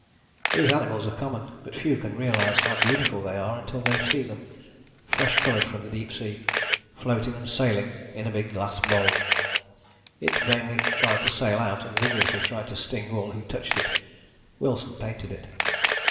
These animals are common, but few can realize how beautiful they are until they see them, fresh coloured from the deep sea, floating and sailing in a big glass bowl. It vainly tried to sail out, and vigorously tried to sting all who touched it. Wilson painted it.